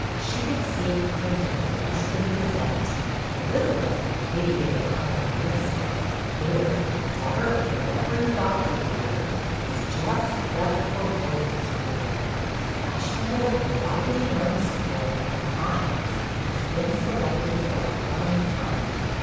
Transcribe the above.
She could see it printed in the Weston Gazette: "Elizabeth (maybe they will call me Miss now) Baird, daughter of the Rev erend Doctor Baird, has just left for board ing school. The fashionable and widely known school. The Pines, has been selected for our young friend."